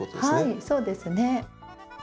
はいそうですね。